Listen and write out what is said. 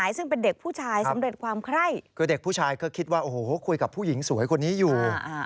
ยิงก็คิดว่าคุยกับผู้หญิงสวยคนนี้อยู่